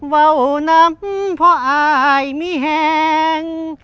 เบาน้ำเพราะอายมิแหง